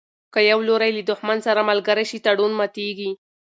که یو لوری له دښمن سره ملګری شي تړون ماتیږي.